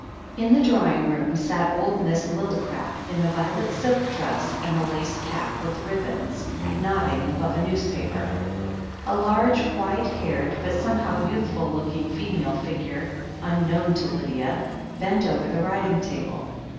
In the drawing room sat old Miss Lillicrap, in a violet silk dress and a lace cap with ribbons, nodding above a newspaper. A large, white haired, but somehow youthful looking female figure, unknown to Lydia, bent over the writing table.